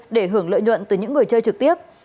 để hưởng lợi nhuận từ những người chơi trực tiếp